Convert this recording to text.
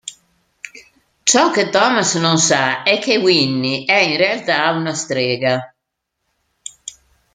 Ciò che Thomas non sa è che Winnie è in realtà una strega.